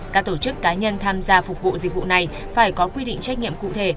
các tổ chức cá nhân tham gia phục vụ dịch vụ này phải có quy định trách nhiệm cụ thể